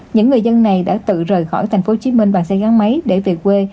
những người dân này đã tự rời khỏi thành phố hồ chí minh bằng xe gắn máy để về quê